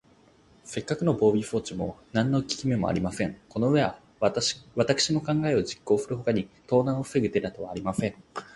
せっかくの防備装置も、なんのききめもありません。このうえは、わたくしの考えを実行するほかに、盗難をふせぐ手だてはありません。